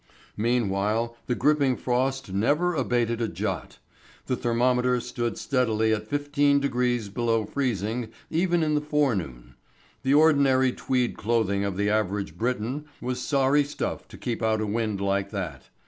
Meanwhile the gripping frost never abated a jot. The thermometer stood steadily at 15° below freezing even in the forenoon; the ordinary tweed clothing of the average Briton was sorry stuff to keep out a wind like that.